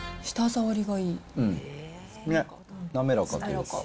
ね、滑らかというか。